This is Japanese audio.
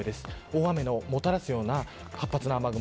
大雨をもたらすような活発な雨雲